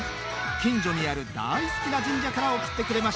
近所にある大好きな神社から送ってくれました。